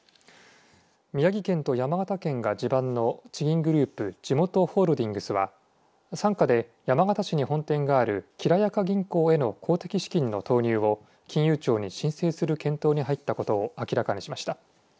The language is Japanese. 宮城県と山形県が地盤の地銀グループじもとホールディングスは傘下で山形市に本店があるきらやか銀行への公的資金の投入を金融庁に申請する検討に入ったことを明らかにしました。